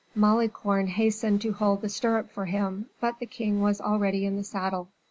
Malicorne hastened to hold the stirrup for him, but the king was already in the saddle.